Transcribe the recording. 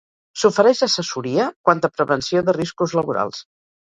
S'ofereix assessoria quant a prevenció de riscos laborals.